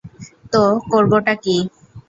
তো করবোটা কী?